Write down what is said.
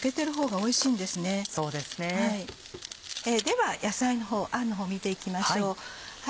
では野菜のほうあんのほう見て行きましょう。